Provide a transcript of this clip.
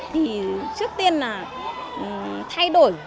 thì trước tiên là thay đổi